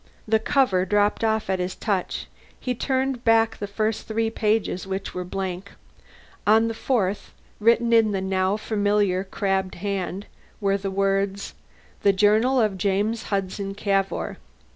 The cover dropped off at his touch; he turned back the first three pages, which were blank. On the fourth, written in the now familiar crabbed hand, were the words: _The Journal of James Hudson Cavour.